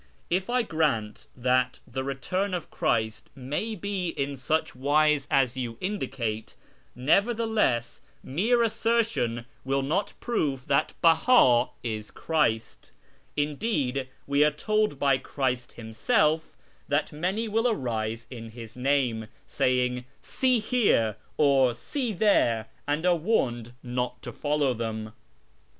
II' I grant that the return df Christ may he in such wise as you indicate, nevertheless mere assertion will not prove that Beha is Christ. Indeed, we are told hy Christ Himself that many will arise in llis name, saying ' See here,' or ' See there,' and are warned not to follow them."